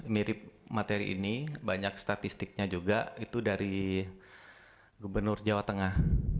mirip materi ini banyak statistiknya juga itu dari gubernur jawa tengah